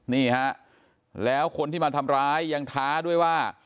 นี่ฮะแล้วคนที่มาทำร้ายยังท้าด้วยว่า